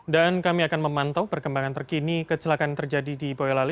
dan kami akan memantau perkembangan terkini kecelakaan terjadi di boyolali